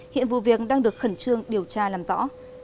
hiện vụ việc đang được khẩn trương điều tra làm rõ